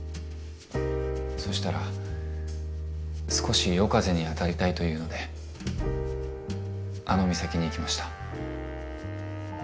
そしたら少し夜風に当たりたいというのであの岬に行きました。